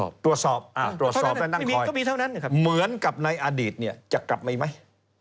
เป็นอย่างในอดีตจะกลับออกไว้ไหม